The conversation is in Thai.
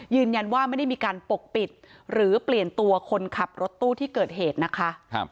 ยืนยันว่าไม่ได้มีการปกปิดหรือเปลี่ยนตัวคนขับรถตู้ที่เกิดเหตุนะคะ